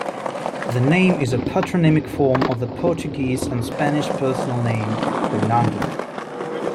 The name is a patronymic form of the Portuguese and Spanish personal name "Fernando".